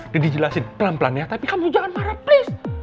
daddy jelasin pelan pelan ya tapi kamu jangan marah please